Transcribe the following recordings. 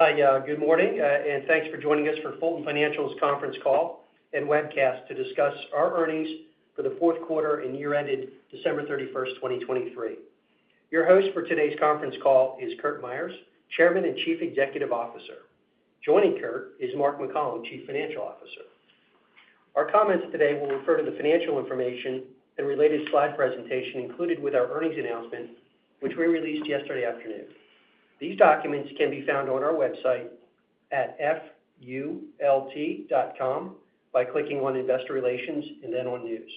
Hi, good morning, and thanks for joining us for Fulton Financial's conference call and webcast to discuss our earnings for the fourth quarter and year-ended December 31, 2023. Your host for today's conference call is Curt Myers, Chairman and Chief Executive Officer. Joining Curt is Mark McCollom, Chief Financial Officer. Our comments today will refer to the financial information and related slide presentation included with our earnings announcement, which we released yesterday afternoon. These documents can be found on our website at fult.com by clicking on Investor Relations and then on News.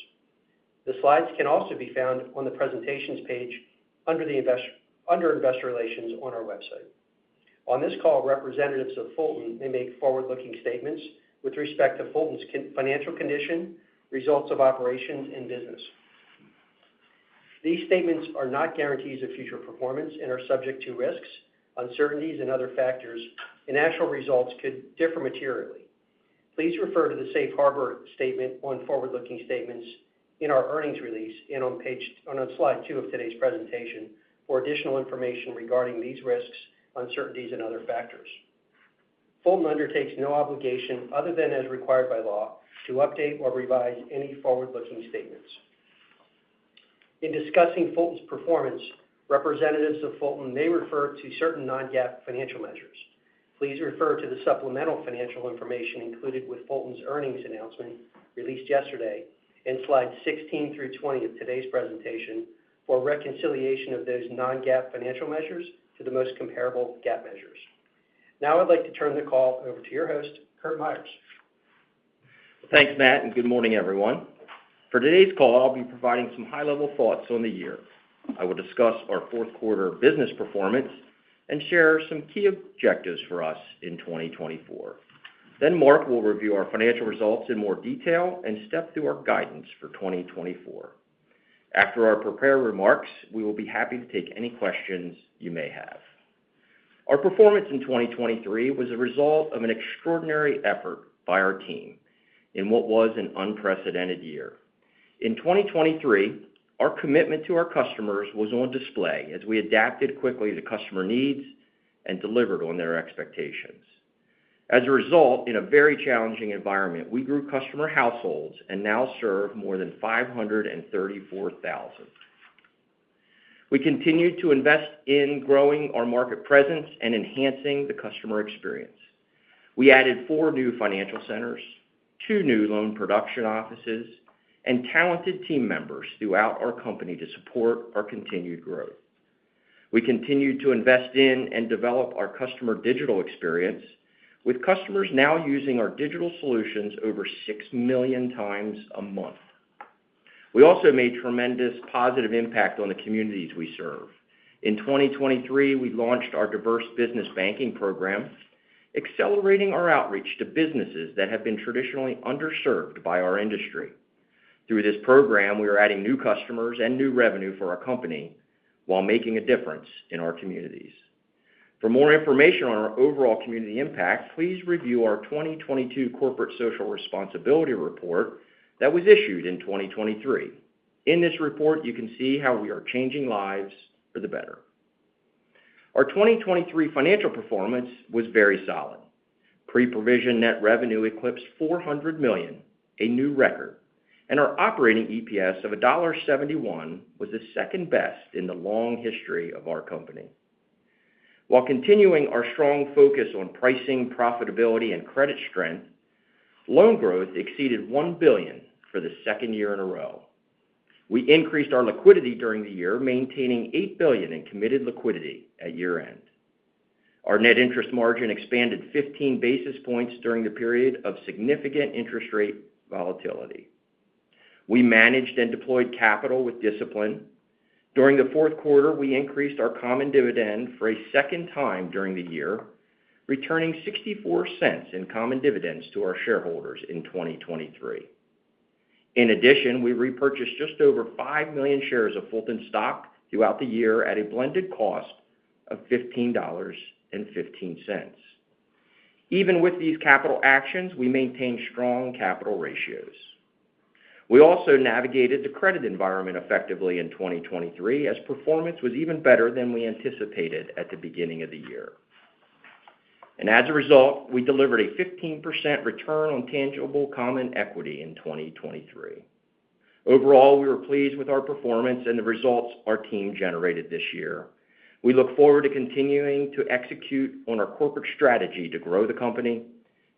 The slides can also be found on the Presentations page under Investor Relations on our website. On this call, representatives of Fulton may make forward-looking statements with respect to Fulton's financial condition, results of operations, and business. These statements are not guarantees of future performance and are subject to risks, uncertainties, and other factors, and actual results could differ materially. Please refer to the safe harbor statement on forward-looking statements in our earnings release and on page on slide 2 of today's presentation for additional information regarding these risks, uncertainties, and other factors. Fulton undertakes no obligation, other than as required by law, to update or revise any forward-looking statements. In discussing Fulton's performance, representatives of Fulton may refer to certain non-GAAP financial measures. Please refer to the supplemental financial information included with Fulton's earnings announcement, released yesterday, in slides 16 through 20 of today's presentation for reconciliation of those non-GAAP financial measures to the most comparable GAAP measures. Now, I'd like to turn the call over to your host, Curt Myers. Thanks, Matt, and good morning, everyone. For today's call, I'll be providing some high-level thoughts on the year. I will discuss our fourth quarter business performance and share some key objectives for us in 2024. Then Mark will review our financial results in more detail and step through our guidance for 2024. After our prepared remarks, we will be happy to take any questions you may have. Our performance in 2023 was a result of an extraordinary effort by our team in what was an unprecedented year. In 2023, our commitment to our customers was on display as we adapted quickly to customer needs and delivered on their expectations. As a result, in a very challenging environment, we grew customer households and now serve more than 534,000. We continued to invest in growing our market presence and enhancing the customer experience. We added 4 new financial centers, 2 new loan production offices, and talented team members throughout our company to support our continued growth. We continued to invest in and develop our customer digital experience, with customers now using our digital solutions over 6 million times a month. We also made tremendous positive impact on the communities we serve. In 2023, we launched our diverse business banking program, accelerating our outreach to businesses that have been traditionally underserved by our industry. Through this program, we are adding new customers and new revenue for our company while making a difference in our communities. For more information on our overall community impact, please review our 2022 corporate social responsibility report that was issued in 2023. In this report, you can see how we are changing lives for the better. Our 2023 financial performance was very solid. Pre-provision net revenue eclipsed $400 million, a new record, and our operating EPS of $1.71 was the second best in the long history of our company. While continuing our strong focus on pricing, profitability, and credit strength, loan growth exceeded $1 billion for the second year in a row. We increased our liquidity during the year, maintaining $8 billion in committed liquidity at year-end. Our net interest margin expanded 15 basis points during the period of significant interest rate volatility. We managed and deployed capital with discipline. During the fourth quarter, we increased our common dividend for a second time during the year, returning $0.64 in common dividends to our shareholders in 2023. In addition, we repurchased just over 5 million shares of Fulton stock throughout the year at a blended cost of $15.15. Even with these capital actions, we maintained strong capital ratios. We also navigated the credit environment effectively in 2023, as performance was even better than we anticipated at the beginning of the year. As a result, we delivered a 15% return on tangible common equity in 2023. Overall, we were pleased with our performance and the results our team generated this year. We look forward to continuing to execute on our corporate strategy to grow the company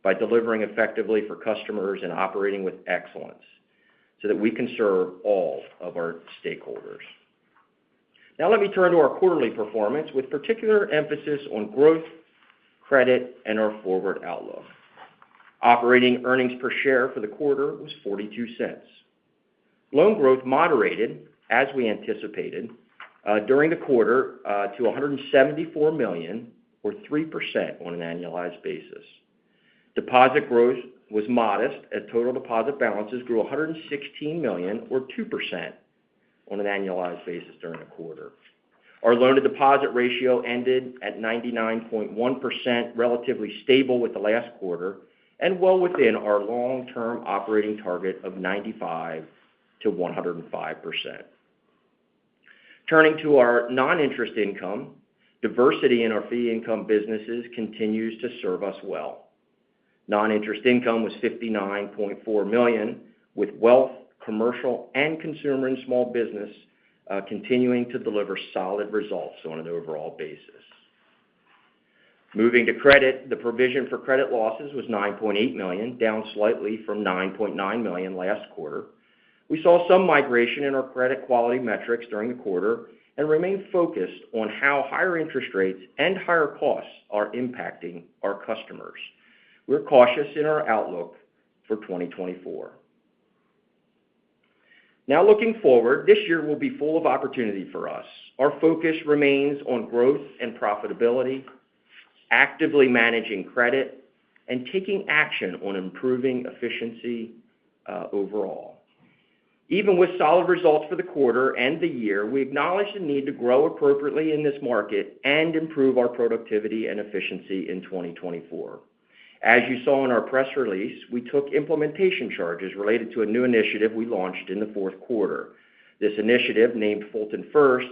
by delivering effectively for customers and operating with excellence, so that we can serve all of our stakeholders. Now let me turn to our quarterly performance, with particular emphasis on growth, credit, and our forward outlook. Operating earnings per share for the quarter was $0.42. Loan growth moderated, as we anticipated, during the quarter, to $174 million, or 3% on an annualized basis. Deposit growth was modest as total deposit balances grew $116 million, or 2%, on an annualized basis during the quarter. Our loan-to-deposit ratio ended at 99.1%, relatively stable with the last quarter, and well within our long-term operating target of 95%-105%. Turning to our non-interest income, diversity in our fee income businesses continues to serve us well. Non-interest income was $59.4 million, with wealth, commercial, and consumer and small business, continuing to deliver solid results on an overall basis. Moving to credit, the provision for credit losses was $9.8 million, down slightly from $9.9 million last quarter. We saw some migration in our credit quality metrics during the quarter and remain focused on how higher interest rates and higher costs are impacting our customers. We're cautious in our outlook for 2024. Now, looking forward, this year will be full of opportunity for us. Our focus remains on growth and profitability, actively managing credit, and taking action on improving efficiency, overall. Even with solid results for the quarter and the year, we acknowledge the need to grow appropriately in this market and improve our productivity and efficiency in 2024. As you saw in our press release, we took implementation charges related to a new initiative we launched in the fourth quarter. This initiative, named Fulton First,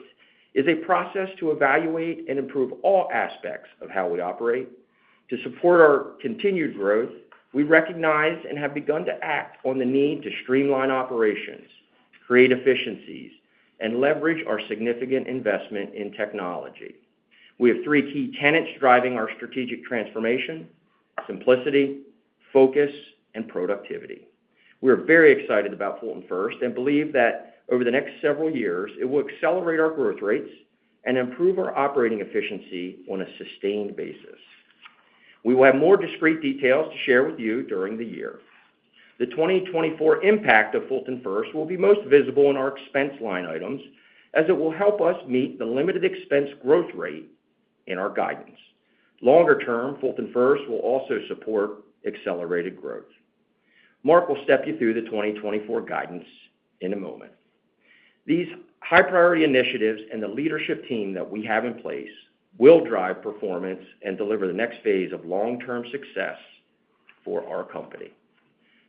is a process to evaluate and improve all aspects of how we operate. To support our continued growth, we've recognized and have begun to act on the need to streamline operations, create efficiencies, and leverage our significant investment in technology. We have three key tenets driving our strategic transformation: simplicity, focus, and productivity. We're very excited about Fulton First and believe that over the next several years, it will accelerate our growth rates and improve our operating efficiency on a sustained basis. We will have more discrete details to share with you during the year. The 2024 impact of Fulton First will be most visible in our expense line items, as it will help us meet the limited expense growth rate in our guidance. Longer term, Fulton First will also support accelerated growth. Mark will step you through the 2024 guidance in a moment. These high-priority initiatives and the leadership team that we have in place will drive performance and deliver the next phase of long-term success for our company.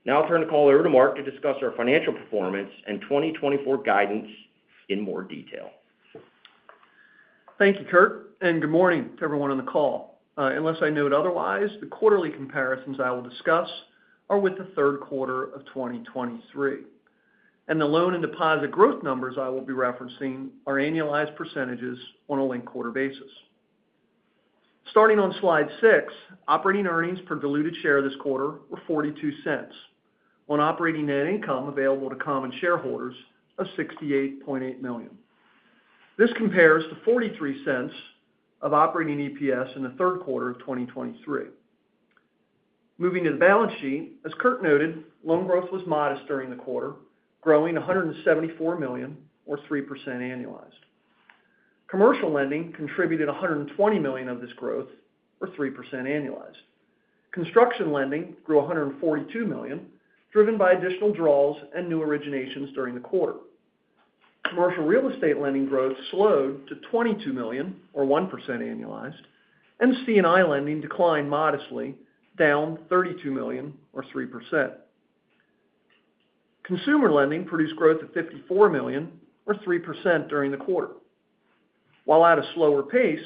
Now I'll turn the call over to Mark to discuss our financial performance and 2024 guidance in more detail. Thank you, Curt, and good morning to everyone on the call. Unless I note otherwise, the quarterly comparisons I will discuss are with the third quarter of 2023, and the loan and deposit growth numbers I will be referencing are annualized percentages on a linked quarter basis. Starting on slide 6, operating earnings per diluted share this quarter were $0.42, on operating net income available to common shareholders of $68.8 million. This compares to $0.43 of operating EPS in the third quarter of 2023. Moving to the balance sheet, as Curt noted, loan growth was modest during the quarter, growing $174 million, or 3% annualized. Commercial lending contributed $120 million of this growth, or 3% annualized. Construction lending grew $142 million, driven by additional draws and new originations during the quarter. Commercial real estate lending growth slowed to $22 million, or 1% annualized, and C&I lending declined modestly, down $32 million or 3%. Consumer lending produced growth of $54 million or 3% during the quarter. While at a slower pace,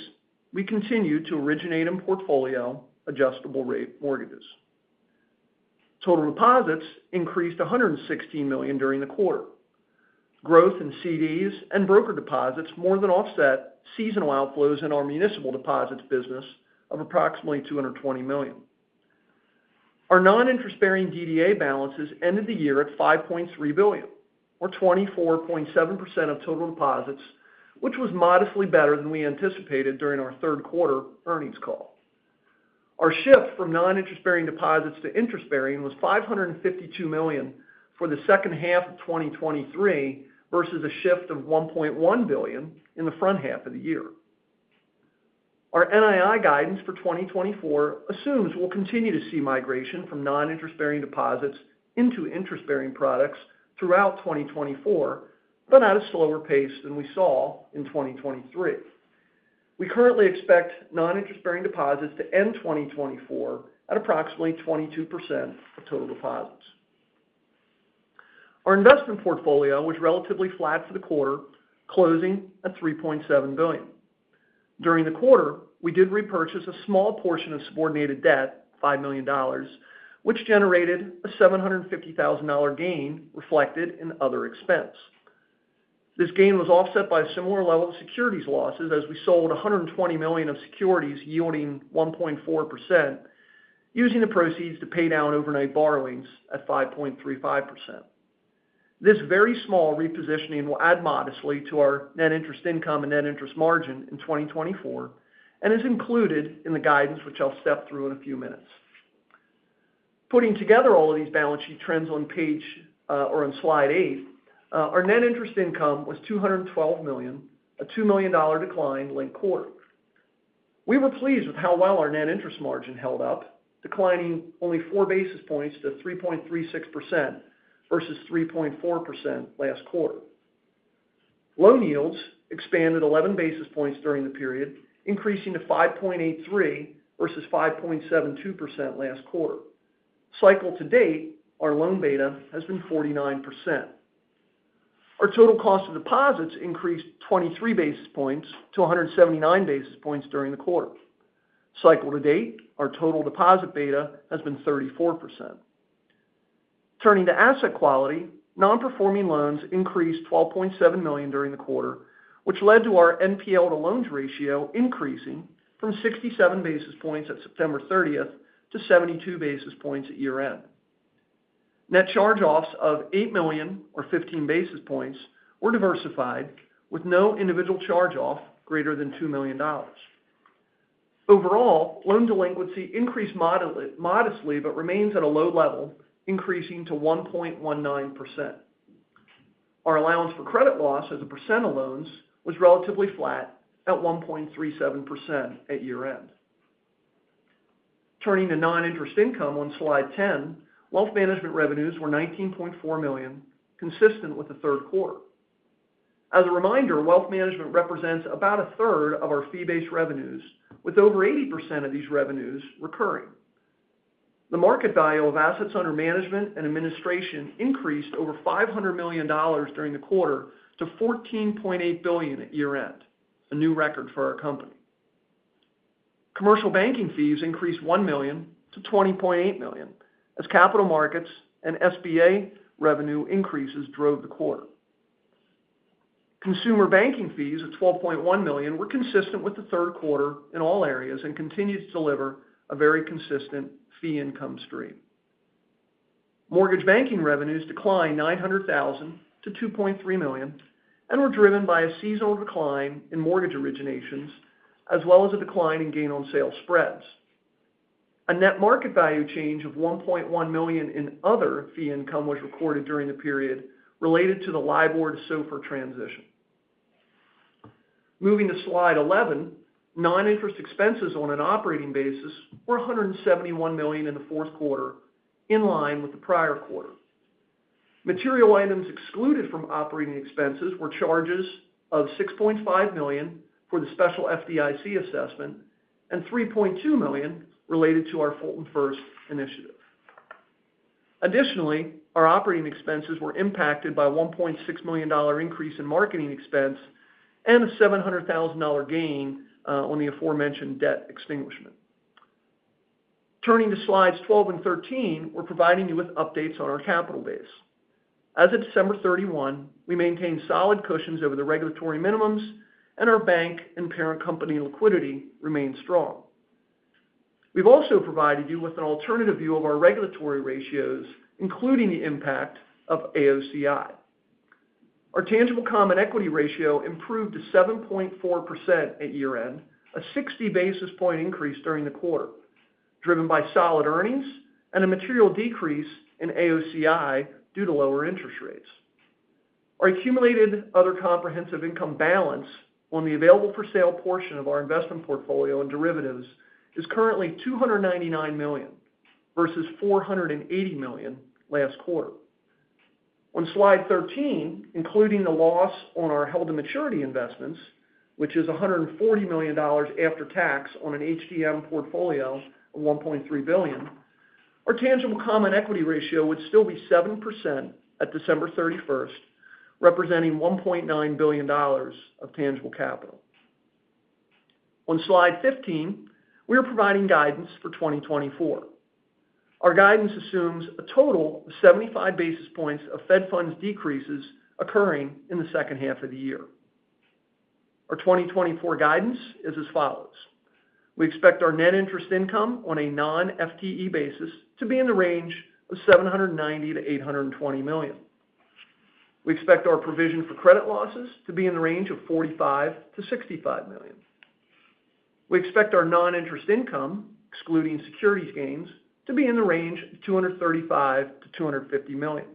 we continued to originate in portfolio adjustable-rate mortgages. Total deposits increased $116 million during the quarter. Growth in CDs and broker deposits more than offset seasonal outflows in our municipal deposits business of approximately $220 million. Our non-interest-bearing DDA balances ended the year at $5.3 billion, or 24.7% of total deposits, which was modestly better than we anticipated during our third quarter earnings call. Our shift from non-interest-bearing deposits to interest-bearing was $552 million for the second half of 2023, versus a shift of $1.1 billion in the front half of the year. Our NII guidance for 2024 assumes we'll continue to see migration from non-interest-bearing deposits into interest-bearing products throughout 2024, but at a slower pace than we saw in 2023. We currently expect non-interest-bearing deposits to end 2024 at approximately 22% of total deposits. Our investment portfolio was relatively flat for the quarter, closing at $3.7 billion. During the quarter, we did repurchase a small portion of subordinated debt, $5 million, which generated a $750,000 gain, reflected in other expense. This gain was offset by a similar level of securities losses as we sold $120 million of securities yielding 1.4%, using the proceeds to pay down overnight borrowings at 5.35%. This very small repositioning will add modestly to our net interest income and net interest margin in 2024 and is included in the guidance, which I'll step through in a few minutes. Putting together all of these balance sheet trends on page or on slide 8, our net interest income was $212 million, a $2 million decline linked quarter. We were pleased with how well our net interest margin held up, declining only 4 basis points to 3.36% versus 3.4% last quarter. Loan yields expanded 11 basis points during the period, increasing to 5.83% versus 5.72% last quarter. Cycle to date, our loan beta has been 49%. Our total cost of deposits increased 23 basis points to 179 basis points during the quarter. Cycle to date, our total deposit beta has been 34%. Turning to asset quality, non-performing loans increased $12.7 million during the quarter, which led to our NPL to loans ratio increasing from 67 basis points at September 30-72 basis points at year-end. Net charge-offs of $8 million, or 15 basis points, were diversified, with no individual charge-off greater than $2 million. Overall, loan delinquency increased modestly, but remains at a low level, increasing to 1.19%. Our allowance for credit loss as a percent of loans was relatively flat at 1.37% at year-end. Turning to non-interest income on slide 10, wealth management revenues were $19.4 million, consistent with the third quarter. As a reminder, wealth management represents about a third of our fee-based revenues, with over 80% of these revenues recurring. The market value of assets under management and administration increased over $500 million during the quarter to $14.8 billion at year-end, a new record for our company. Commercial banking fees increased $1 million to $20.8 million, as capital markets and SBA revenue increases drove the quarter. Consumer banking fees at $12.1 million were consistent with the third quarter in all areas and continued to deliver a very consistent fee income stream. Mortgage banking revenues declined $900,000-$2.3 million and were driven by a seasonal decline in mortgage originations, as well as a decline in gain on sale spreads. A net market value change of $1.1 million in other fee income was recorded during the period related to the LIBOR to SOFR transition. Moving to slide 11, non-interest expenses on an operating basis were $171 million in the fourth quarter, in line with the prior quarter. Material items excluded from operating expenses were charges of $6.5 million for the special FDIC assessment and $3.2 million related to our Fulton First initiative. Additionally, our operating expenses were impacted by a $1.6 million increase in marketing expense and a $700,000 gain on the aforementioned debt extinguishment. Turning to slides 12 and 13, we're providing you with updates on our capital base. As of December 31, we maintained solid cushions over the regulatory minimums, and our bank and parent company liquidity remains strong. We've also provided you with an alternative view of our regulatory ratios, including the impact of AOCI. Our tangible common equity ratio improved to 7.4% at year-end, a 60 basis point increase during the quarter, driven by solid earnings and a material decrease in AOCI due to lower interest rates. Our accumulated other comprehensive income balance on the available for sale portion of our investment portfolio and derivatives is currently $299 million, versus $480 million last quarter. On slide 13, including the loss on our held to maturity investments, which is $140 million after tax on an HTM portfolio of $1.3 billion, our tangible common equity ratio would still be 7% at December 31, representing $1.9 billion of tangible capital. On slide 15, we are providing guidance for 2024. Our guidance assumes a total of 75 basis points of Fed funds decreases occurring in the second half of the year. Our 2024 guidance is as follows: We expect our net interest income on a non-FTE basis to be in the range of $790 million-$820 million. We expect our provision for credit losses to be in the range of $45 million-$65 million. We expect our non-interest income, excluding securities gains, to be in the range of $235 million-$250 million.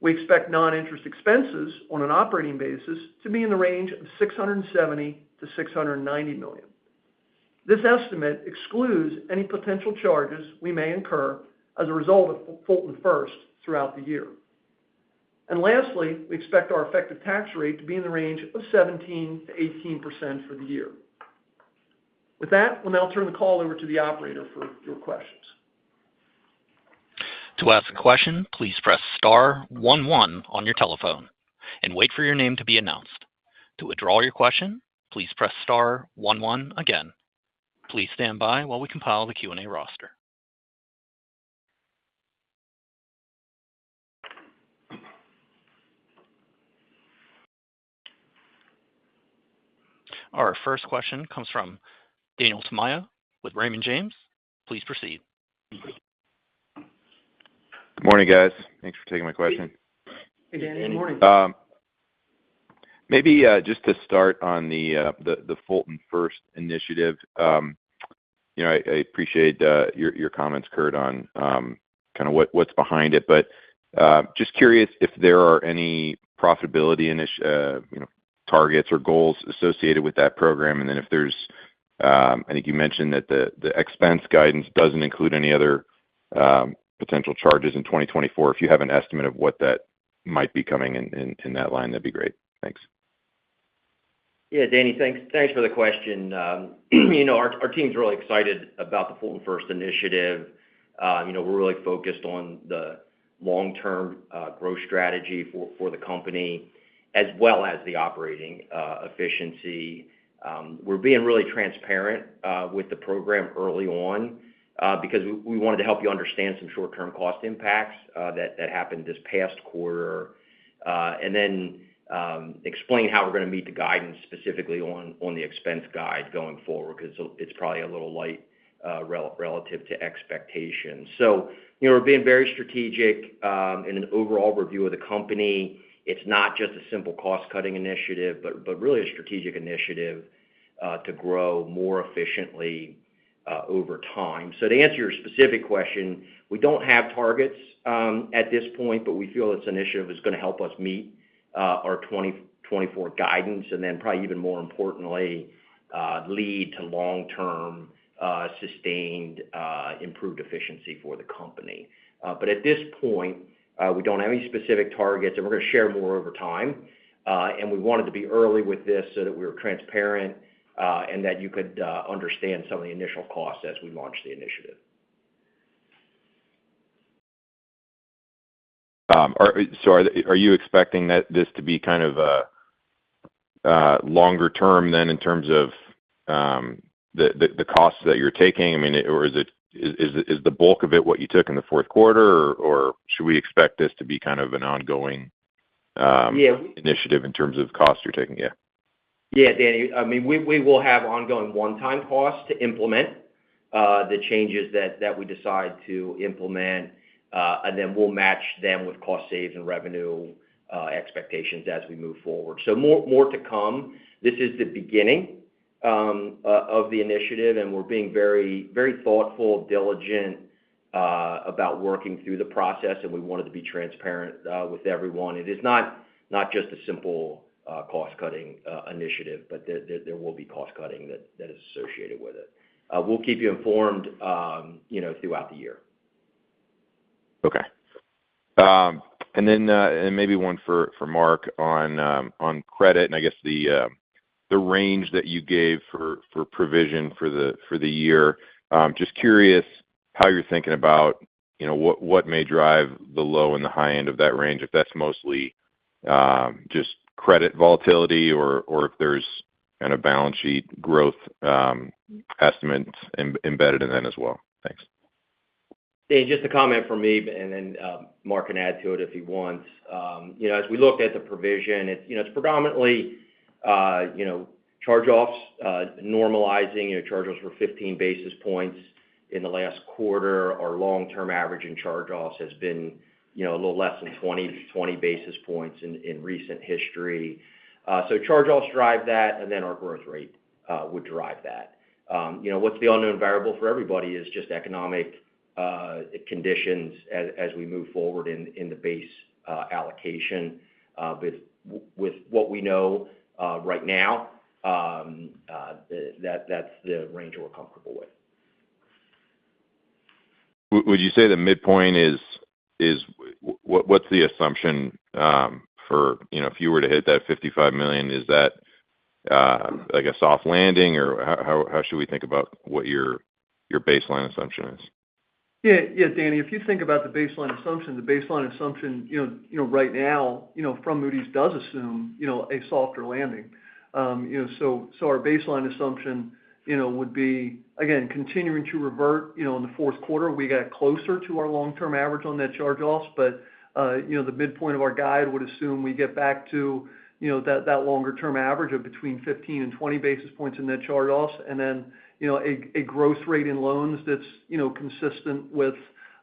We expect non-interest expenses on an operating basis to be in the range of $670 million-$690 million. This estimate excludes any potential charges we may incur as a result of Fulton First throughout the year. And lastly, we expect our effective tax rate to be in the range of 17%-18% for the year. With that, we'll now turn the call over to the operator for your questions. To ask a question, please press star one one on your telephone and wait for your name to be announced. To withdraw your question, please press star one one again. Please stand by while we compile the Q&A roster. Our first question comes from Daniel Tamayo with Raymond James. Please proceed. Good morning, guys. Thanks for taking my question. Good morning. Maybe just to start on the Fulton First initiative. You know, I appreciate your comments, Curt, on kind of what's behind it. But just curious if there are any profitability targets or goals associated with that program. And then if there's, I think you mentioned that the expense guidance doesn't include any other potential charges in 2024. If you have an estimate of what that might be coming in that line, that'd be great. Thanks.... Yeah, Danny, thanks, thanks for the question. You know, our team's really excited about the Fulton First initiative. You know, we're really focused on the long-term growth strategy for the company, as well as the operating efficiency. We're being really transparent with the program early on, because we wanted to help you understand some short-term cost impacts that happened this past quarter. And then explain how we're going to meet the guidance, specifically on the expense guide going forward, because it's probably a little light relative to expectations. So you know, we're being very strategic in an overall review of the company. It's not just a simple cost-cutting initiative, but really a strategic initiative to grow more efficiently over time. To answer your specific question, we don't have targets at this point, but we feel this initiative is going to help us meet our 2024 guidance, and then probably even more importantly, lead to long-term sustained improved efficiency for the company. But at this point, we don't have any specific targets, and we're going to share more over time. And we wanted to be early with this so that we were transparent, and that you could understand some of the initial costs as we launch the initiative. So, are you expecting this to be kind of a longer term than, in terms of the costs that you're taking? I mean, or is it the bulk of it what you took in the fourth quarter, or should we expect this to be kind of an ongoing? Yeah... initiative in terms of costs you're taking? Yeah. Yeah, Danny, I mean, we will have ongoing one-time costs to implement the changes that we decide to implement, and then we'll match them with cost saves and revenue expectations as we move forward. So more to come. This is the beginning of the initiative, and we're being very, very thoughtful, diligent about working through the process, and we wanted to be transparent with everyone. It is not just a simple cost-cutting initiative, but there will be cost cutting that is associated with it. We'll keep you informed, you know, throughout the year. Okay. And then, and maybe one for Mark on credit, and I guess the range that you gave for provision for the year. Just curious how you're thinking about, you know, what may drive the low and the high end of that range, if that's mostly just credit volatility or if there's kind of balance sheet growth estimates embedded in that as well? Thanks. Danny, just a comment from me, and then Mark can add to it if he wants. You know, as we look at the provision, it's, you know, it's predominantly, you know, charge-offs normalizing. You know, charge-offs were 15 basis points in the last quarter. Our long-term average in charge-offs has been, you know, a little less than 20, 20 basis points in recent history. So charge-offs drive that, and then our growth rate would drive that. You know, what's the unknown variable for everybody is just economic conditions as we move forward in the base allocation. With what we know right now, that's the range we're comfortable with. Would you say the midpoint is? What's the assumption for, you know, if you were to hit that $55 million, is that, I guess, soft landing? Or how should we think about what your baseline assumption is? Yeah, yeah, Danny, if you think about the baseline assumption, the baseline assumption, you know, you know, right now, you know, from Moody's does assume, you know, a softer landing. You know, so, so our baseline assumption, you know, would be, again, continuing to revert. You know, in the fourth quarter, we got closer to our long-term average on net charge-offs, but, you know, the midpoint of our guide would assume we get back to, you know, that, that longer-term average of between 15 and 20 basis points in net charge-offs. And then, you know, a, a growth rate in loans that's, you know, consistent with,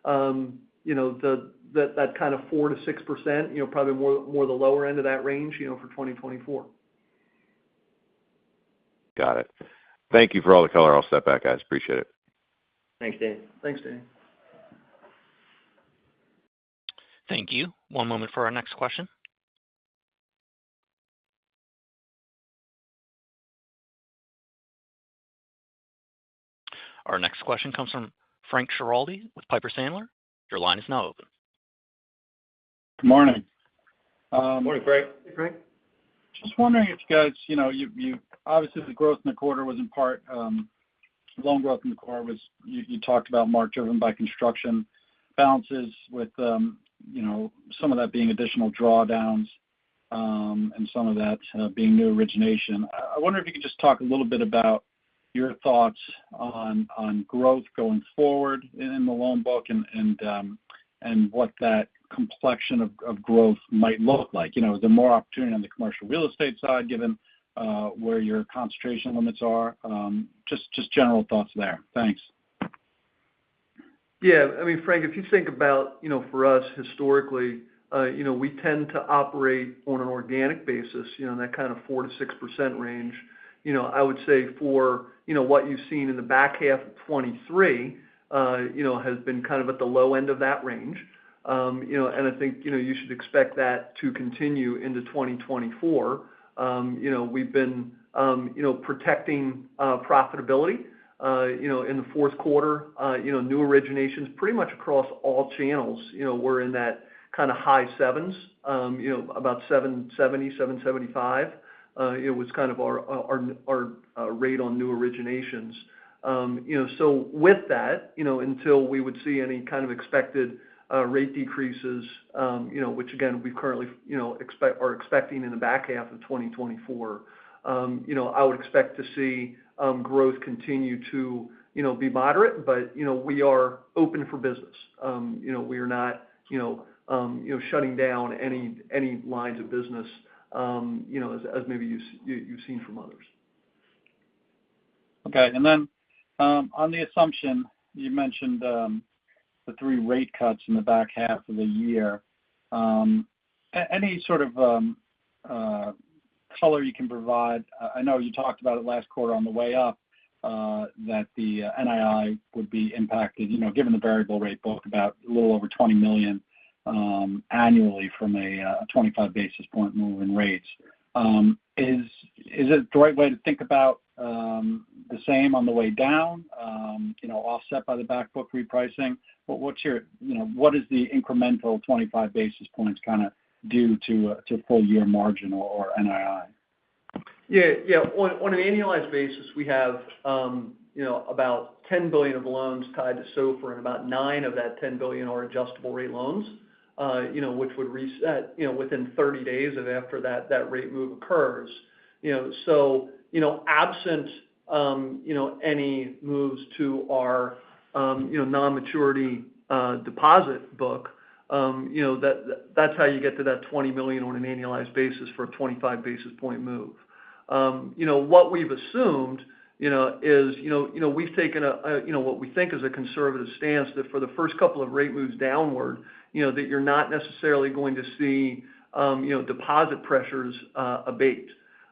you know, the, that, that kind of 4%-6%, you know, probably more, more the lower end of that range, you know, for 2024. Got it. Thank you for all the color. I'll step back, guys. Appreciate it. Thanks, Danny. Thanks, Danny. Thank you. One moment for our next question. Our next question comes from Frank Schiraldi with Piper Sandler. Your line is now open. Good morning. Morning, Frank. Hey, Frank. Just wondering if you guys, you know, obviously, the growth in the quarter was in part, loan growth in the quarter was, you talked about, Mark, driven by construction balances with, you know, some of that being additional drawdowns, and some of that being new origination. I wonder if you could just talk a little bit about your thoughts on growth going forward in the loan book and what that complexion of growth might look like. You know, the more opportunity on the commercial real estate side, given where your concentration limits are. Just general thoughts there. Thanks.... Yeah, I mean, Frank, if you think about, you know, for us historically, you know, we tend to operate on an organic basis, you know, in that kind of 4%-6% range. You know, I would say for, you know, what you've seen in the back half of 2023, you know, has been kind of at the low end of that range. You know, and I think, you know, you should expect that to continue into 2024. You know, we've been, you know, protecting profitability, you know, in the fourth quarter, you know, new originations pretty much across all channels, you know, we're in that kind of high sevens, you know, about 7.70, 7.75, it was kind of our rate on new originations. You know, so with that, you know, until we would see any kind of expected rate decreases, you know, which again, we currently, you know, expect- are expecting in the back half of 2024, you know, I would expect to see growth continue to, you know, be moderate, but, you know, we are open for business. You know, we are not, you know, you know, shutting down any, any lines of business, you know, as, as maybe you've, you've seen from others. Okay. And then, on the assumption, you mentioned, the three rate cuts in the back half of the year. Any sort of color you can provide—I know you talked about it last quarter on the way up, that the NII would be impacted, you know, given the variable rate book about a little over $20 million annually from a 25 basis point move in rates. Is it the right way to think about the same on the way down, you know, offset by the back book repricing? But what's your... You know, what is the incremental 25 basis points kind of due to, to full year margin or NII? Yeah, yeah. On an annualized basis, we have, you know, about $10 billion of loans tied to SOFR, and about $9 billion of that $10 billion are adjustable-rate loans, you know, which would reset, you know, within 30 days after that rate move occurs. You know, so, you know, absent, you know, any moves to our, you know, non-maturity deposit book, you know, that, that's how you get to that $20 million on an annualized basis for a 25 basis point move. You know, what we've assumed, you know, is, you know, we've taken a, you know, what we think is a conservative stance, that for the first couple of rate moves downward, you know, that you're not necessarily going to see, you know, deposit pressures abate.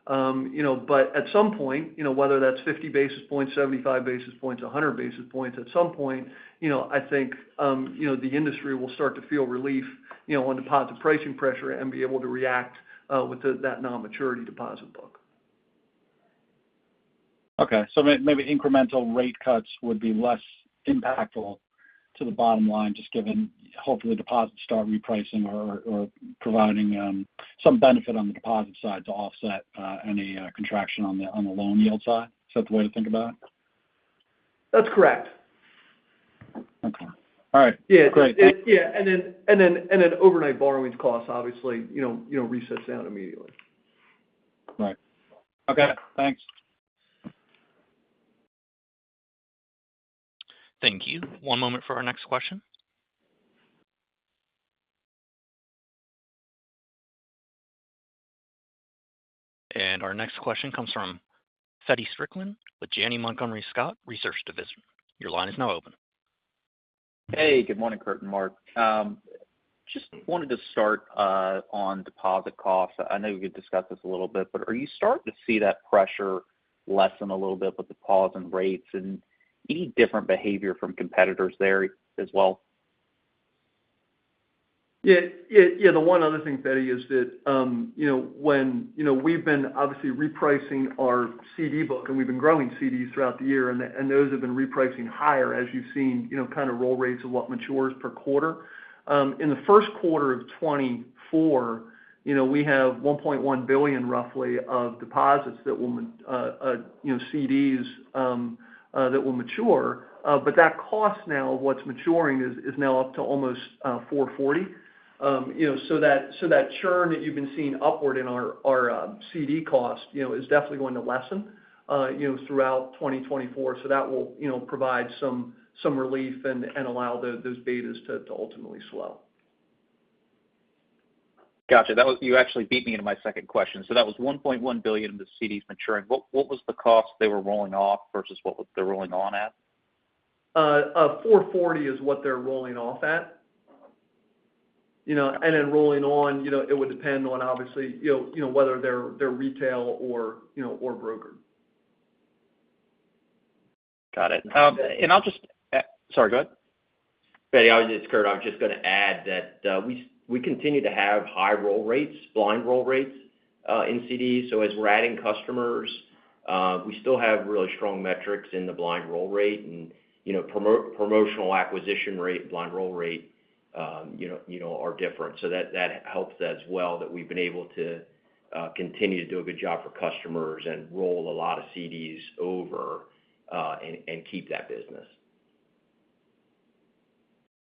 You know, but at some point, you know, whether that's 50 basis points, 75 basis points, 100 basis points, at some point, you know, I think, you know, the industry will start to feel relief, you know, on deposit pricing pressure and be able to react with that non-maturity deposit book. Okay. So maybe incremental rate cuts would be less impactful to the bottom line, just given, hopefully, deposits start repricing or providing some benefit on the deposit side to offset any contraction on the loan yield side. Is that the way to think about it? That's correct. Okay. All right. Yeah. Great. Yeah, and then overnight borrowings costs, obviously, you know, resets down immediately. Right. Okay, thanks. Thank you. One moment for our next question. Our next question comes from Feddie Strickland with Janney Montgomery Scott, Research Division. Your line is now open. Hey, good morning, Curt and Mark. Just wanted to start on deposit costs. I know you discussed this a little bit, but are you starting to see that pressure lessen a little bit with the pause in rates and any different behavior from competitors there as well? Yeah. Yeah, yeah, the one other thing, Feddie, is that, you know, when, you know, we've been obviously repricing our CD book, and we've been growing CDs throughout the year, and, and those have been repricing higher, as you've seen, you know, kind of roll rates of what matures per quarter. In the first quarter of 2024, you know, we have $1.1 billion, roughly, of deposits that will, you know, CDs that will mature. But that cost now of what's maturing is now up to almost 4.40%. You know, so that, so that churn that you've been seeing upward in our, our, CD cost, you know, is definitely going to lessen, you know, throughout 2024. So that will, you know, provide some relief and allow those betas to ultimately slow. Gotcha. That was—you actually beat me into my second question. So that was $1.1 billion in the CDs maturing. What, what was the cost they were rolling off versus what was—they're rolling on at? 4.40 is what they're rolling off at. You know, and then rolling on, you know, it would depend on obviously, you know, you know, whether they're, they're retail or, you know, or brokered. Got it. And I'll just, sorry, go ahead. Feddie, it's Curt. I was just gonna add that, we, we continue to have high roll rates, blind roll rates, in CDs. So as we're adding customers, we still have really strong metrics in the blind roll rate. And, you know, promotional acquisition rate and blind roll rate, you know, you know, are different. So that, that helps as well, that we've been able to, continue to do a good job for customers and roll a lot of CDs over, and, and keep that business.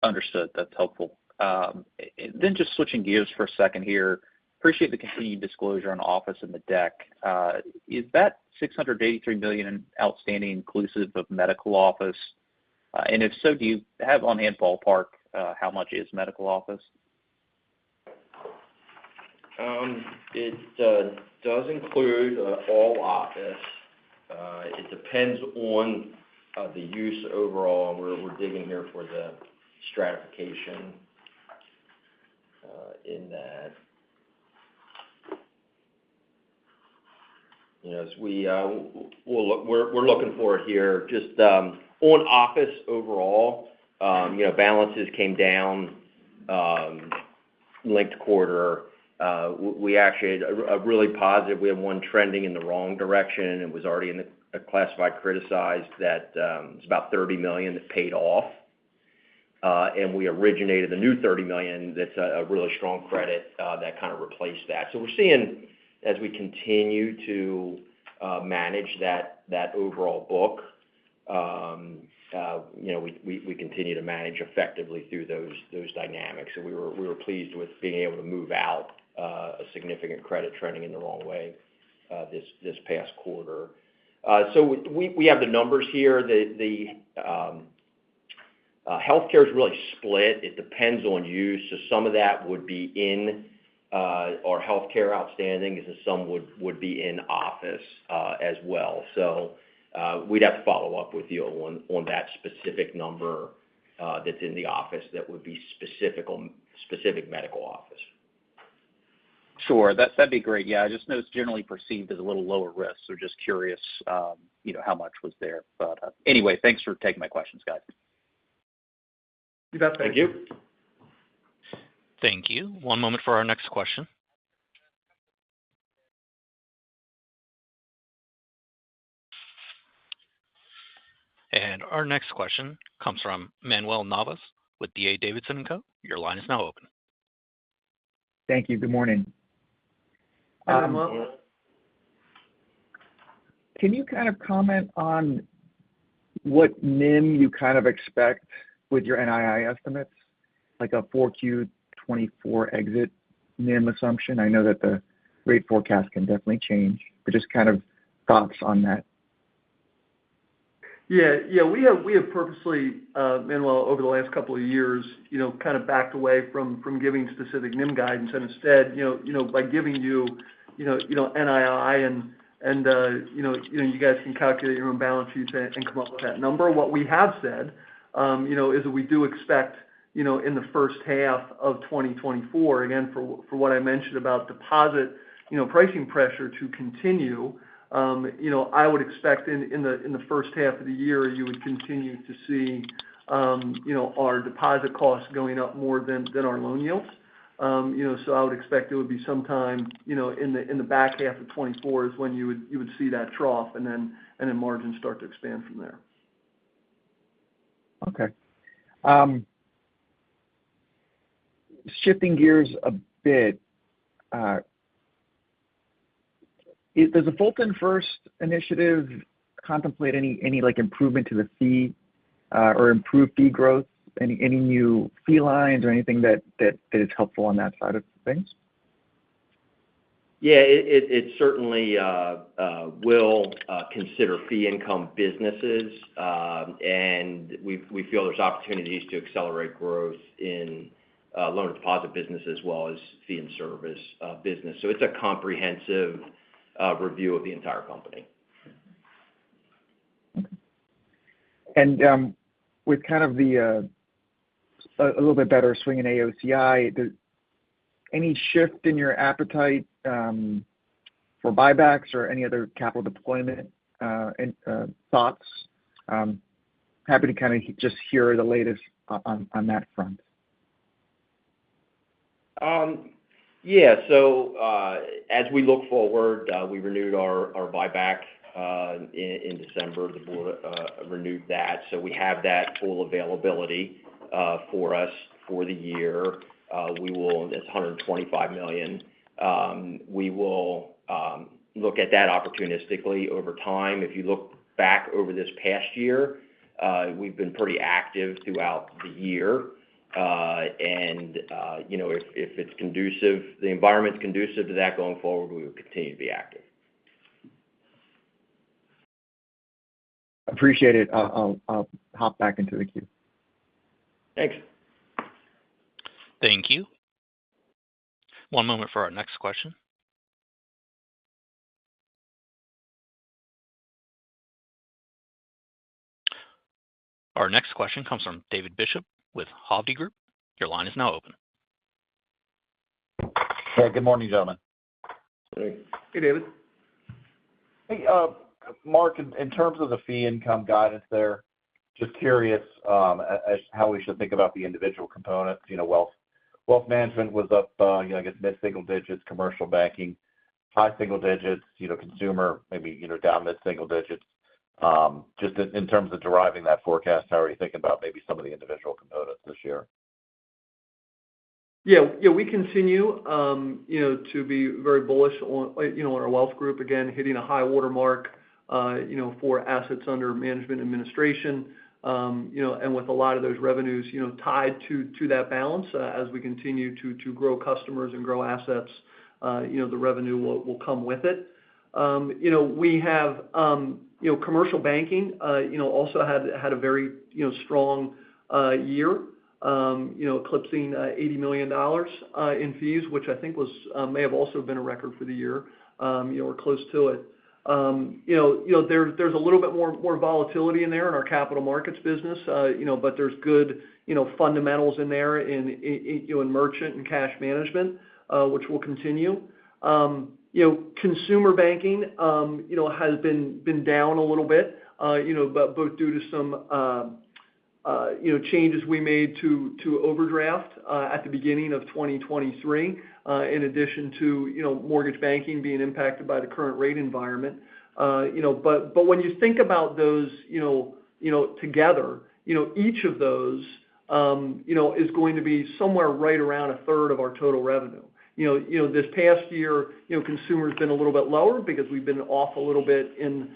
Understood. That's helpful. Then just switching gears for a second here, appreciate the continued disclosure on office and the deck. Is that $683 million in outstanding inclusive of medical office? And if so, do you have on-hand ballpark, how much is medical office?... It does include all office. It depends on the use overall. We're digging here for the stratification in that. You know, as we will look, we're looking for it here. Just on office overall, you know, balances came down linked quarter. We actually had a really positive. We had one trending in the wrong direction, and it was already in a classified criticized that it's about $30 million that paid off. And we originated a new $30 million that's a really strong credit that kind of replaced that. So we're seeing, as we continue to manage that overall book, you know, we continue to manage effectively through those dynamics. So we were pleased with being able to move out a significant credit trending in the wrong way this past quarter. So we have the numbers here. The healthcare is really split. It depends on use. So some of that would be in our healthcare outstanding, and some would be in office as well. So we'd have to follow up with you on that specific number that's in the office. That would be specific medical office. Sure. That'd be great. Yeah, I just know it's generally perceived as a little lower risk. So just curious, you know, how much was there. But, anyway, thanks for taking my questions, guys. Thank you. Thank you. One moment for our next question. Our next question comes from Manuel Navas with D.A. Davidson & Co. Your line is now open. Thank you. Good morning. Hi, Manuel. Can you kind of comment on what NIM you kind of expect with your NII estimates, like a Q4 2024 exit NIM assumption? I know that the rate forecast can definitely change, but just kind of thoughts on that. Yeah. Yeah, we have, we have purposely, Manuel, over the last couple of years, you know, kind of backed away from, from giving specific NIM guidance. And instead, you know, you know, by giving you, you know, you know, NII and, and, you know, you guys can calculate your own balance sheet and, and come up with that number. What we have said, you know, is that we do expect, you know, in the first half of 2024, again, for, for what I mentioned about deposit, you know, pricing pressure to continue, you know, I would expect in, in the, in the first half of the year, you would continue to see, you know, our deposit costs going up more than, than our loan yields. You know, so I would expect it would be sometime, you know, in the back half of 2024 is when you would see that trough, and then margins start to expand from there. Okay. Shifting gears a bit, does the Fulton First initiative contemplate any like improvement to the fee or improved fee growth, any new fee lines or anything that is helpful on that side of things? Yeah, it certainly will consider fee income businesses. And we feel there's opportunities to accelerate growth in loan deposit business as well as fee and service business. So it's a comprehensive review of the entire company. And, with kind of a little bit better swing in AOCI, does any shift in your appetite for buybacks or any other capital deployment, and thoughts? Happy to kind of just hear the latest on that front. Yeah. So, as we look forward, we renewed our buyback in December. The board renewed that, so we have that full availability for us for the year. That's $125 million. We will look at that opportunistically over time. If you look back over this past year, we've been pretty active throughout the year. And, you know, if it's conducive, the environment's conducive to that going forward, we will continue to be active. Appreciate it. I'll hop back into the queue. Thanks. Thank you. One moment for our next question. Our next question comes from David Bishop with Hovde Group. Your line is now open. Hey, good morning, gentlemen. Hey. Hey, David. Hey, Mark, in terms of the fee income guidance there, just curious, as how we should think about the individual components. You know, wealth management was up, you know, I guess, mid-single digits, commercial banking, high single digits, you know, consumer, maybe, you know, down mid-single digits. Just in terms of deriving that forecast, how are you thinking about maybe some of the individual components this year? Yeah, yeah, we continue, you know, to be very bullish on, you know, on our wealth group. Again, hitting a high water mark, you know, for assets under management administration. You know, and with a lot of those revenues, you know, tied to that balance, as we continue to grow customers and grow assets, you know, the revenue will come with it. You know, we have, you know, commercial banking, you know, also had a very, you know, strong, year, you know, eclipsing $80 million in fees, which I think was, may have also been a record for the year, you know, or close to it. ... You know, you know, there's a little bit more volatility in there in our capital markets business, you know, but there's good, you know, fundamentals in there in, I, you know, in merchant and cash management, which will continue. You know, consumer banking, you know, has been down a little bit, you know, but both due to some, you know, changes we made to overdraft at the beginning of 2023, in addition to, you know, mortgage banking being impacted by the current rate environment. But when you think about those, you know, together, you know, each of those is going to be somewhere right around a third of our total revenue. You know, this past year, you know, consumer has been a little bit lower because we've been off a little bit in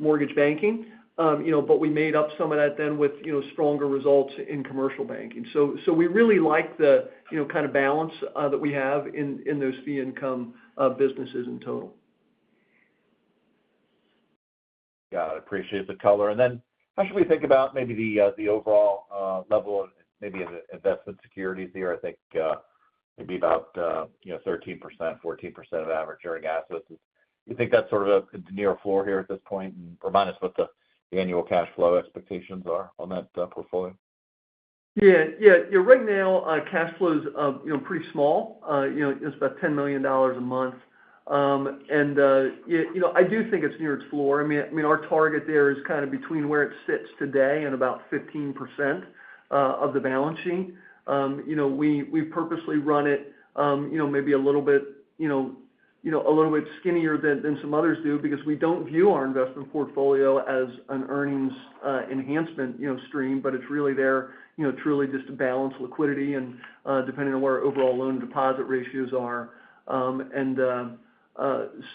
mortgage banking. You know, but we made up some of that then with, you know, stronger results in commercial banking. So we really like the, you know, kind of balance that we have in those fee income businesses in total. Got it. Appreciate the color. And then how should we think about maybe the overall level of maybe investment securities here? I think maybe about, you know, 13%-14% of average earning assets. Do you think that's sort of a near floor here at this point? And remind us what the annual cash flow expectations are on that portfolio. Yeah. Yeah, right now, cash flow is, you know, pretty small. You know, it's about $10 million a month. And, yeah, you know, I do think it's near its floor. I mean, I mean, our target there is kind of between where it sits today and about 15% of the balance sheet. You know, we, we purposely run it, you know, maybe a little bit, you know, you know, a little bit skinnier than, than some others do because we don't view our investment portfolio as an earnings enhancement, you know, stream, but it's really there, you know, truly just to balance liquidity and, depending on where our overall loan deposit ratios are.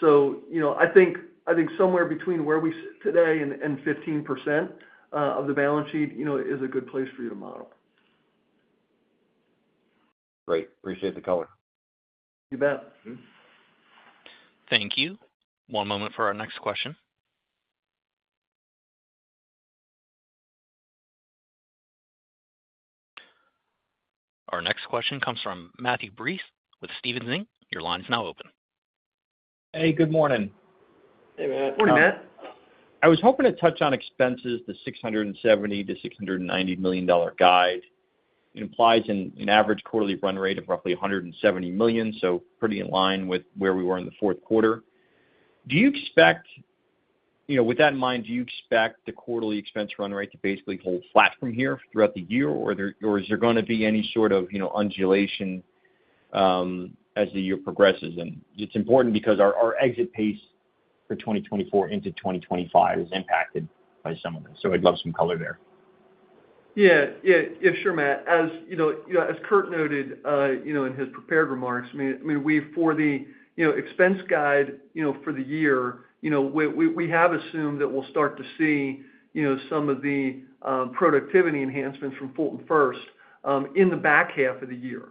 You know, I think, I think somewhere between where we sit today and 15% of the balance sheet, you know, is a good place for you to model. Great. Appreciate the color. You bet. Thank you. One moment for our next question. Our next question comes from Matthew Breese with Stephens Inc. Your line is now open. Hey, good morning. Hey, Matt. Good morning, Matt. I was hoping to touch on expenses, the $670 million-$690 million guide. It implies an average quarterly run rate of roughly $170 million, so pretty in line with where we were in the fourth quarter. Do you expect—you know, with that in mind, do you expect the quarterly expense run rate to basically hold flat from here throughout the year, or is there gonna be any sort of, you know, undulation, as the year progresses? And it's important because our exit pace for 2024 into 2025 is impacted by some of this. So I'd love some color there. Yeah. Yeah, sure, Matt. As you know, as Kurt noted, you know, in his prepared remarks, I mean, I mean, we for the, you know, expense guide, you know, for the year, you know, we, we, we have assumed that we'll start to see, you know, some of the productivity enhancements from Fulton First in the back half of the year.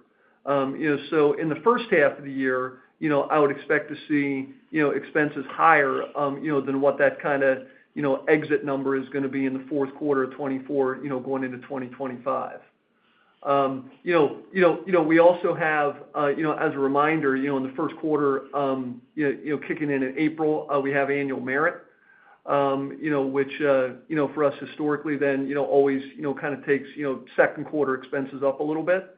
You know, so in the first half of the year, you know, I would expect to see, you know, expenses higher, you know, than what that kind of, you know, exit number is gonna be in the fourth quarter of 2024, you know, going into 2025. You know, you know, you know, we also have, you know, as a reminder, you know, in the first quarter, you know, you know, kicking in in April, we have annual merit, you know, which, you know, for us historically, then, you know, always, you know, kind of takes, you know, second quarter expenses up a little bit.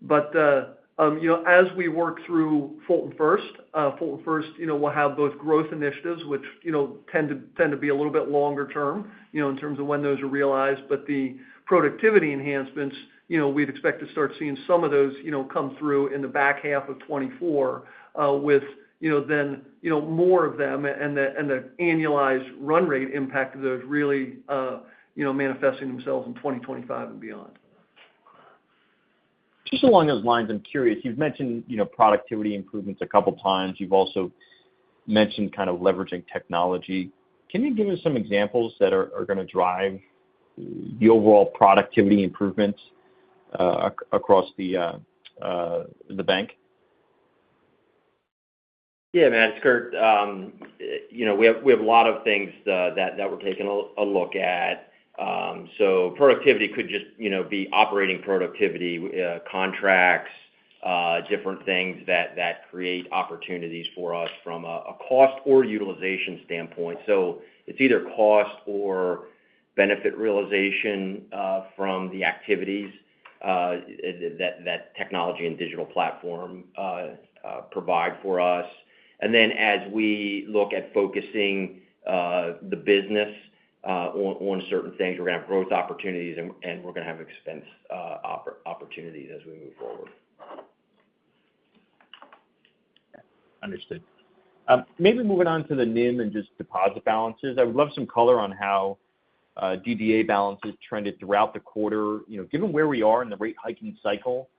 But, you know, as we work through Fulton First, Fulton First, you know, we'll have both growth initiatives, which, you know, tend to be a little bit longer term, you know, in terms of when those are realized. But the productivity enhancements, you know, we'd expect to start seeing some of those, you know, come through in the back half of 2024, with, you know, then, you know, more of them and the, and the annualized run rate impact of those really, you know, manifesting themselves in 2025 and beyond. Just along those lines, I'm curious: you've mentioned, you know, productivity improvements a couple of times. You've also mentioned kind of leveraging technology. Can you give us some examples that are gonna drive the overall productivity improvements across the bank? Yeah, Matt, it's Curt. You know, we have a lot of things that we're taking a look at. So productivity could just, you know, be operating productivity, contracts, different things that create opportunities for us from a cost or utilization standpoint. So it's either cost or benefit realization from the activities that technology and digital platform provide for us. And then as we look at focusing the business on certain things, we're gonna have growth opportunities and we're gonna have expense opportunities as we move forward. Understood. Maybe moving on to the NIM and just deposit balances. I would love some color on how DDA balances trended throughout the quarter. You know, given where we are in the rate hiking cycle,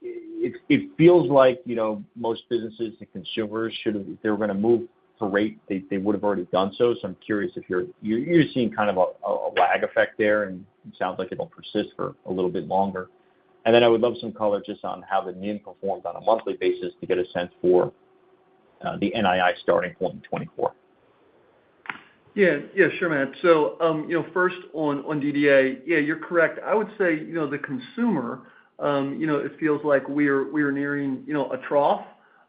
it, it feels like, you know, most businesses and consumers should, if they were gonna move to rate, they, they would have already done so. So I'm curious if you're, you're seeing kind of a, a lag effect there, and it sounds like it'll persist for a little bit longer. And then I would love some color just on how the NIM performed on a monthly basis to get a sense for the NII starting point in 2024.... Yeah, yeah, sure, Matt. So, you know, first on DDA, yeah, you're correct. I would say, you know, the consumer, you know, it feels like we're nearing, you know, a trough,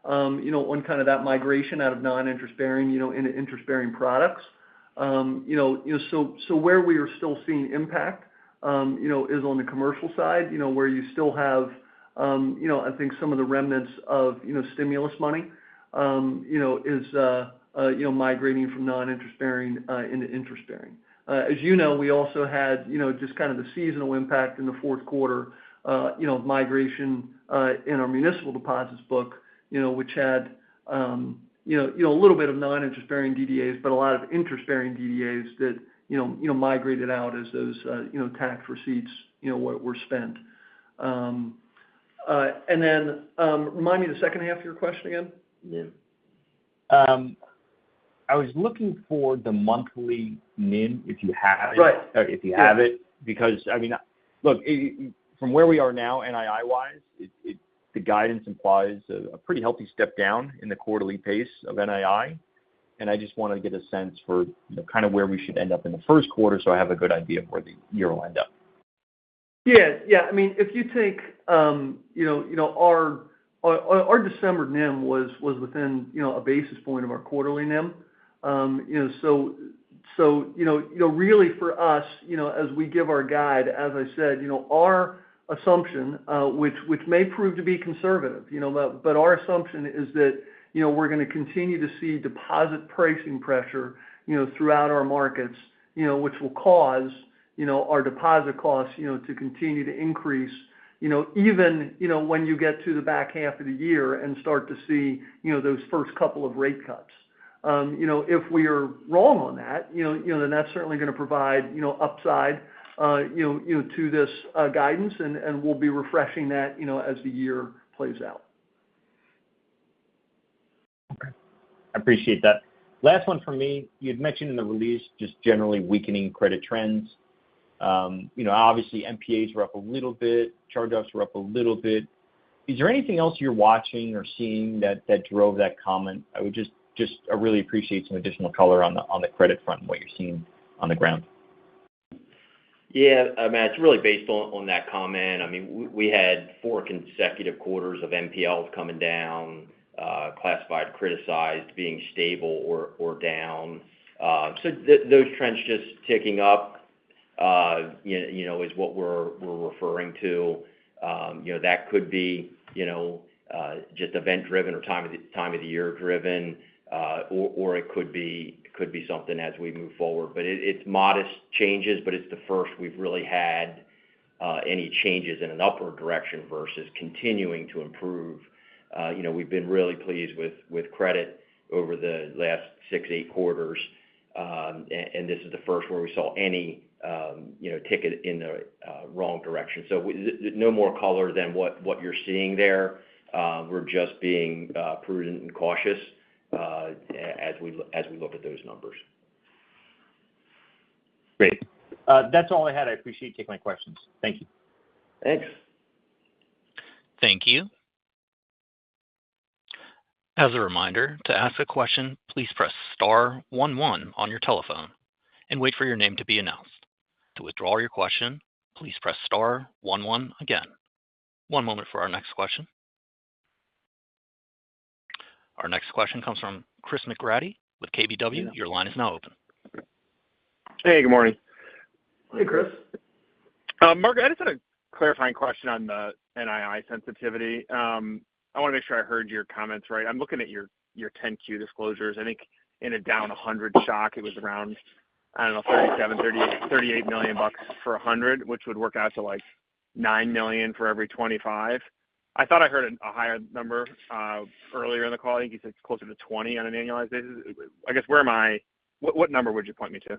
you know, on kind of that migration out of non-interest-bearing, you know, into interest-bearing products. You know, so where we are still seeing impact, you know, is on the commercial side, you know, where you still have, you know, I think some of the remnants of, you know, stimulus money, you know, is migrating from non-interest-bearing into interest-bearing. As you know, we also had, you know, just kind of the seasonal impact in the fourth quarter, you know, migration in our municipal deposits book, you know, which had, you know, a little bit of non-interest-bearing DDAs, but a lot of interest-bearing DDAs that, you know, migrated out as those, you know, tax receipts, you know, were spent. And then, remind me the second half of your question again, NIM? I was looking for the monthly NIM, if you have it? Right. If you have it. Because, I mean, look, from where we are now, NII wise, it—the guidance implies a pretty healthy step down in the quarterly pace of NII, and I just want to get a sense for, you know, kind of where we should end up in the first quarter, so I have a good idea of where the year will end up. Yeah, yeah. I mean, if you take, you know, our December NIM was within, you know, a basis point of our quarterly NIM. You know, so, really for us, you know, as we give our guide, as I said, you know, our assumption, which may prove to be conservative, you know, but our assumption is that, you know, we're going to continue to see deposit pricing pressure, you know, throughout our markets, you know, which will cause, you know, our deposit costs, you know, to continue to increase. You know, even, you know, when you get to the back half of the year and start to see, you know, those first couple of rate cuts. You know, if we are wrong on that, you know, you know, then that's certainly going to provide, you know, upside, you know, you know, to this guidance, and, and we'll be refreshing that, you know, as the year plays out. Okay. I appreciate that. Last one from me. You'd mentioned in the release, just generally weakening credit trends. You know, obviously, NPAs were up a little bit, charge-offs were up a little bit. Is there anything else you're watching or seeing that drove that comment? I would just really appreciate some additional color on the credit front and what you're seeing on the ground. Yeah, I mean, it's really based on that comment. I mean, we had four consecutive quarters of NPLs coming down, classified, criticized, being stable or down. So those trends just ticking up, you know, is what we're referring to. You know, that could be just event-driven or time of the year-driven, or it could be something as we move forward. But it's modest changes, but it's the first we've really had any changes in an upward direction versus continuing to improve. You know, we've been really pleased with credit over the last six, eight quarters. And this is the first where we saw any tick in the wrong direction. So no more color than what you're seeing there. We're just being prudent and cautious as we look at those numbers. Great. That's all I had. I appreciate you taking my questions. Thank you. Thanks. Thank you. As a reminder, to ask a question, please press star one, one on your telephone and wait for your name to be announced. To withdraw your question, please press star one, one again. One moment for our next question. Our next question comes from Chris McGratty with KBW. Your line is now open. Hey, good morning. Hey, Chris. Mark, I just had a clarifying question on the NII sensitivity. I want to make sure I heard your comments right. I'm looking at your 10-Q disclosures. I think in a down 100 shock, it was around, I don't know, 37, 38, $38 million for 100, which would work out to, like, $9 million for every 25. I thought I heard a higher number earlier in the call. I think you said it's closer to 20 on an annualized basis. I guess, what number would you point me to?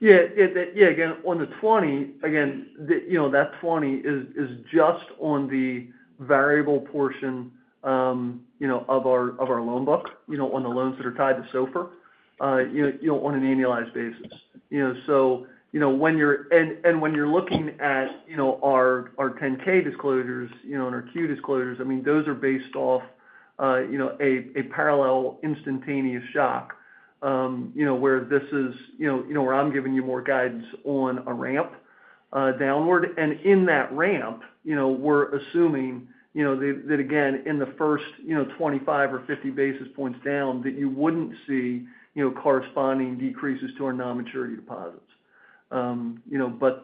Yeah, yeah, yeah. Again, on the 20, again, the, you know, that 20 is just on the variable portion of our loan book, you know, on the loans that are tied to SOFR, you know, on an annualized basis. You know, so, you know, when you're, and when you're looking at, you know, our 10-K disclosures, you know, and our Q disclosures, I mean, those are based off, you know, a parallel instantaneous shock. You know, where this is, you know, where I'm giving you more guidance on a ramp downward. And in that ramp, you know, we're assuming, you know, that again, in the first, you know, 25 or 50 basis points down, that you wouldn't see, you know, corresponding decreases to our non-maturity deposits. You know, but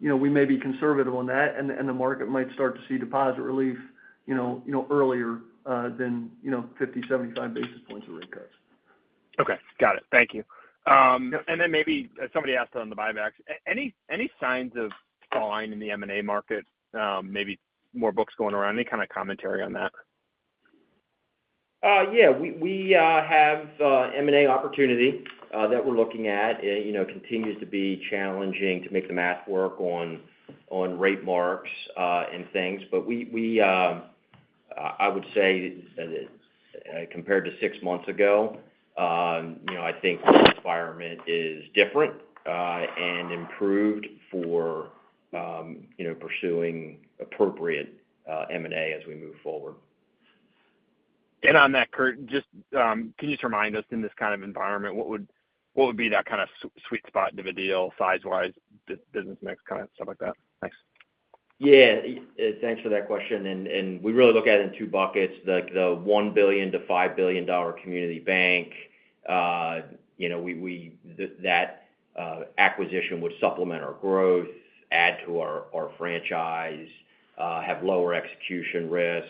you know, we may be conservative on that, and the market might start to see deposit relief, you know, you know, earlier than you know, 50-75 basis points of rate cuts. Okay, got it. Thank you. And then maybe somebody asked on the buybacks. Any, any signs of buying in the M&A market? Maybe more books going around. Any kind of commentary on that? Yeah, we have M&A opportunity that we're looking at. You know, continues to be challenging to make the math work on rate marks and things. But I would say, compared to six months ago, you know, I think the environment is different and improved for you know, pursuing appropriate M&A as we move forward.... On that, Curt, just, can you just remind us in this kind of environment, what would, what would be that kind of sweet spot of a deal, size-wise, business mix, kind of stuff like that? Thanks. Yeah, thanks for that question. And we really look at it in two buckets. The one billion to five billion dollar community bank, you know, we—that acquisition would supplement our growth, add to our franchise, have lower execution risk.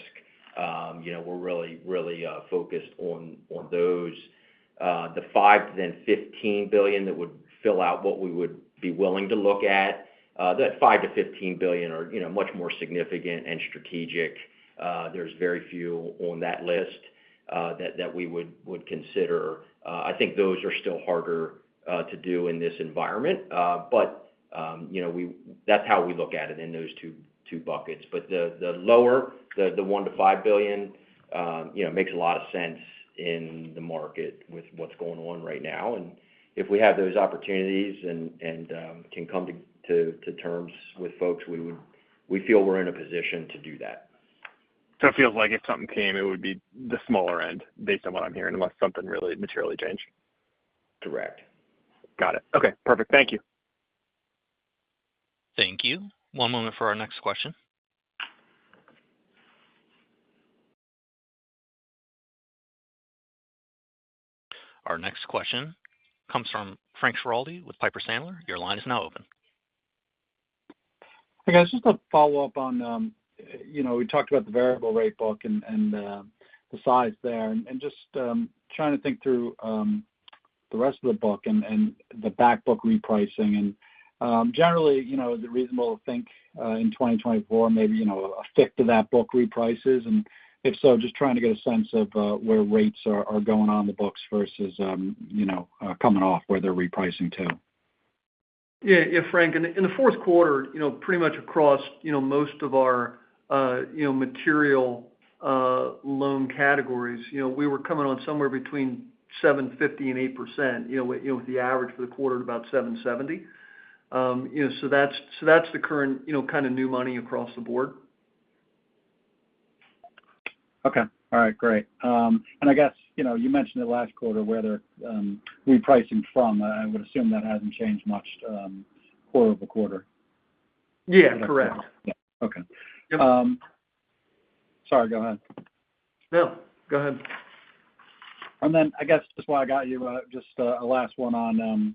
You know, we're really focused on those. The five to then fifteen billion, that would fill out what we would be willing to look at. That five to fifteen billion are, you know, much more significant and strategic. There's very few on that list, that we would consider. I think those are still harder to do in this environment. But, you know, we—that's how we look at it in those two buckets. But the lower the $1 billion-$5 billion, you know, makes a lot of sense in the market with what's going on right now. And if we have those opportunities and can come to terms with folks, we would, we feel we're in a position to do that. It feels like if something came, it would be the smaller end, based on what I'm hearing, unless something really materially changed? Correct. Got it. Okay, perfect. Thank you. Thank you. One moment for our next question. Our next question comes from Frank Schiraldi with Piper Sandler. Your line is now open. Hey, guys, just to follow up on, you know, we talked about the variable rate book and, and, the size there, and just, trying to think through, the rest of the book and, and the back book repricing. And, generally, you know, is it reasonable to think, in 2024, maybe, you know, a fifth of that book reprices? And if so, just trying to get a sense of, where rates are, are going on the books versus, you know, coming off, where they're repricing to. Yeah, yeah, Frank, in the fourth quarter, you know, pretty much across, you know, most of our, you know, material loan categories, you know, we were coming on somewhere between 7.50%-8%, you know, with, you know, the average for the quarter at about 7.70%. You know, so that's, so that's the current, you know, kind of new money across the board. Okay. All right, great. And I guess, you know, you mentioned it last quarter, where they're, repricing from. I would assume that hasn't changed much, quarter over quarter. Yeah, correct. Yeah. Okay. Yep. Sorry, go ahead. No, go ahead. And then, I guess, just while I got you, just, a last one on,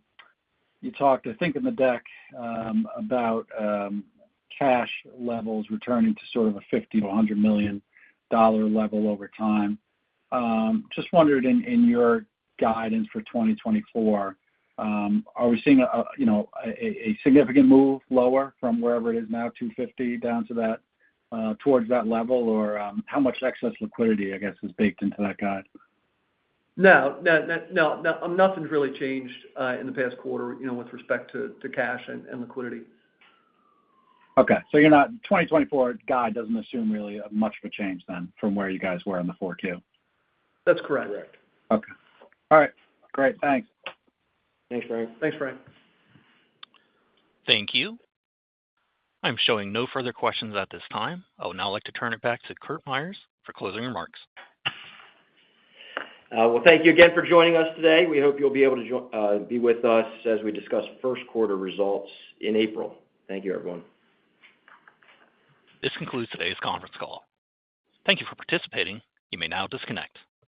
you talked, I think, in the deck, about, cash levels returning to sort of a $50 million-$100 million level over time. Just wondered, in your guidance for 2024, are we seeing a, you know, a significant move lower from wherever it is now, $250 million, down to that, towards that level? Or, how much excess liquidity, I guess, is baked into that guide? No, no, no, no, nothing's really changed in the past quarter, you know, with respect to cash and liquidity. Okay, so your 2024 guide doesn't assume really much of a change then, from where you guys were on the Q4 2022? That's correct. Correct. Okay. All right, great. Thanks. Thanks, Frank. Thanks, Frank. Thank you. I'm showing no further questions at this time. I would now like to turn it back to Curt Myers for closing remarks. Well, thank you again for joining us today. We hope you'll be able to be with us as we discuss first-quarter results in April. Thank you, everyone. This concludes today's conference call. Thank you for participating. You may now disconnect.